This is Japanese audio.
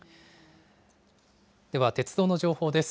では、鉄道の情報です。